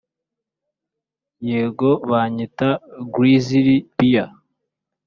yego banyita grizzly bear